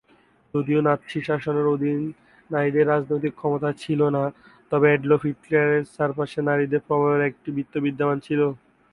যদিও নাৎসি শাসনের অধীন নারীদের রাজনৈতিক ক্ষমতা ছিল না, তবে অ্যাডলফ হিটলারের চারপাশে নারীদের প্রভাবের একটি বৃত্ত বিদ্যমান ছিল।